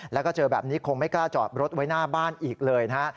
แล้วก็เจอแบบนี้คงไม่กล้าจอดรถไว้หน้าบ้านอีกเลยนะฮะ